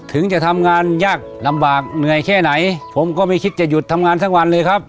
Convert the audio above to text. ถึงจะทำงานยากลำบากเหนื่อยแค่ไหนผมก็ไม่คิดจะหยุดทำงานทั้งวันเลยครับ